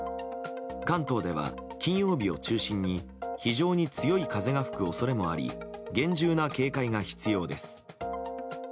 関東では金曜日を中心に非常に強い風が吹く恐れもあり厳重な警戒が必要です。